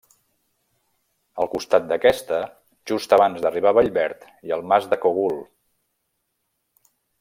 Al costat d'aquesta, just abans d'arribar a Vallverd, hi ha el mas de Cogul.